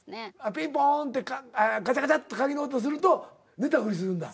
ピンポンってガチャガチャっと鍵の音すると寝たふりするんだ。